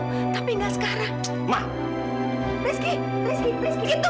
kamu boleh kamu boleh melakukan apa saja dengan gadis itu